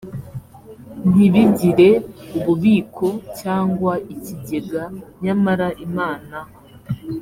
ntibigire ububiko cyangwa ikigega nyamara imana